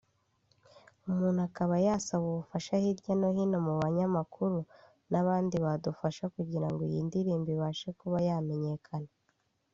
umuntu akaba yasaba ubufasha hirya no hino mu banyamakuru n’abandi badufasha kugirango iyi ndirimbo ibashe kuba yamenyekana”